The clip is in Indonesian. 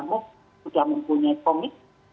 sudah mempunyai komit